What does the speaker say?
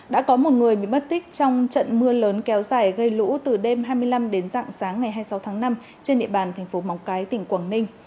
đã có một người bị mất tích trong trận mưa lớn kéo dài gây lũ từ đêm hai mươi năm đến dạng sáng ngày hai mươi sáu tháng năm trên địa bàn thành phố móng cái tỉnh quảng ninh